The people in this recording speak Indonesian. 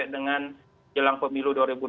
dengan jelang pemilu